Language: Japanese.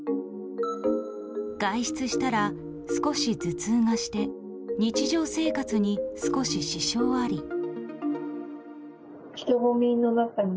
外出したら少し頭痛がして日常生活に少し支障あり。